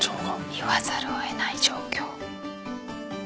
言わざるを得ない状況。